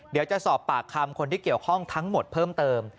เดี๋ยวจะสอบปากคำคนที่เกี่ยวข้องทั้งหมดเพิ่มเติม